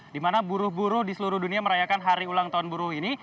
di mana buruh buruh di seluruh dunia merayakan hari ulang tahun buruh ini